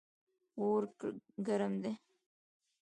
اور ګرم ده